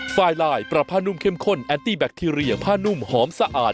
ไฟลายปรับผ้านุ่มเข้มข้นแอนตี้แบคทีเรียผ้านุ่มหอมสะอาด